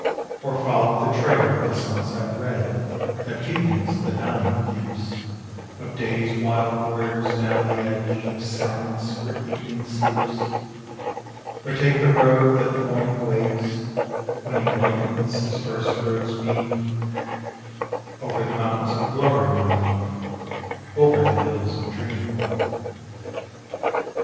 Or follow the trail of the sunset red That beacons the dying deeps Of day's wild borders down the edge Of silence, where evening sleeps; Or take the road that the morning wakes, When he whitens his first rosebeam, Over the mountains of glory, my Love, Over the hills of dream.